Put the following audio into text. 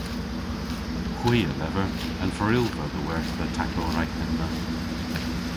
Hwi a lever an ferylva dhe wertha taklow rag henna.